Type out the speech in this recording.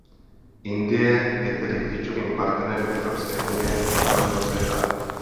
Indie je tedy klíčovým partnerem Evropské unie a západního světa.